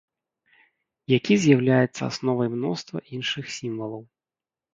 Які з'яўляецца асновай мноства іншых сімвалаў.